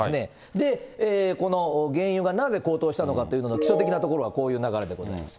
で、この原油がなぜ高騰したのかというのが、基礎的なところがこういう流れでございます。